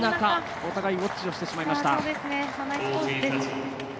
お互いウォッチをしてしまいました。